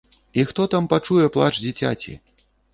І хто там пачуе плач дзіцяці!